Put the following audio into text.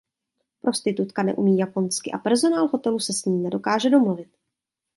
Prostitutka neumí japonsky a personál hotelu se s ní nedokáže domluvit.